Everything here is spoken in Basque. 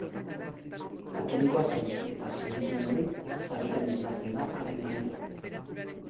Katolikoa zen eta sinismen hori sarritan islatzen da haren lanetan.